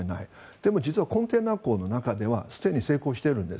でも実はコンテナ港の中ではすでに成功しているんです。